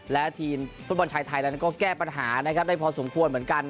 และทีมฟุตบอลชายไทยนั้นก็แก้ปัญหานะครับได้พอสมควรเหมือนกัน